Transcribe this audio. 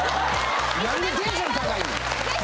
何でテンション高いねん？